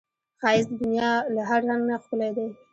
ښایست د دنیا له هر رنګ نه ښکلی دی